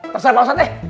terserah pak ustadz deh